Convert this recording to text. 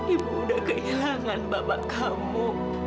ibu udah kehilangan bapak kamu